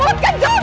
oh kayak banget